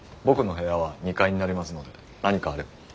僕の部屋は２階になりますので何かあれば。